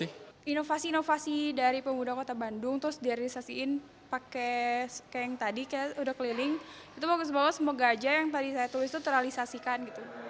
inovasi inovasi dari pengguna kota bandung terus direalisasikan pakai yang tadi itu bagus banget semoga aja yang tadi saya tulis itu terrealisasikan